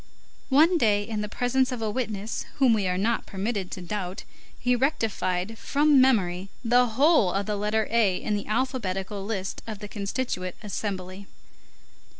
One day, in the presence of a witness whom we are not permitted to doubt, he rectified from memory the whole of the letter A in the alphabetical list of the Constituent Assembly.